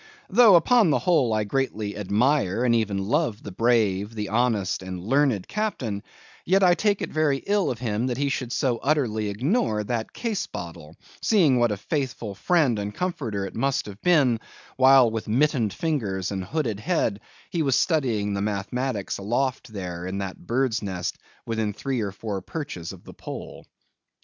Though, upon the whole, I greatly admire and even love the brave, the honest, and learned Captain; yet I take it very ill of him that he should so utterly ignore that case bottle, seeing what a faithful friend and comforter it must have been, while with mittened fingers and hooded head he was studying the mathematics aloft there in that bird's nest within three or four perches of the pole.